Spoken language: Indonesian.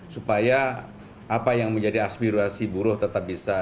supaya apa yang menjadi aspirasi buruh tetap bisa